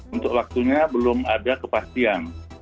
untuk waktunya belum ada kepastian